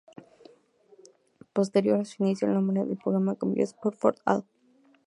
Posterior a su inicio, el nombre del programa cambió a "Sports for All".